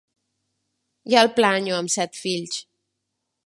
Ja el planyo, amb set fills!